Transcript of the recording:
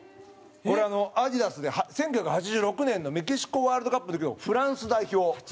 これａｄｉｄａｓで１９８６年のメキシコワールドカップの時のフランス代表。